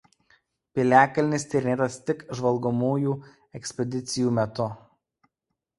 Piliakalnis tyrinėtas tik žvalgomųjų ekspedicijų metu.